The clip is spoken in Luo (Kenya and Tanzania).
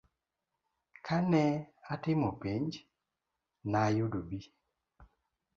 Kane atimo penj, nayudo B.